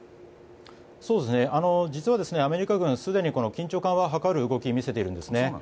実は、アメリカ軍すでに緊張緩和を図る動きを見せているんですね。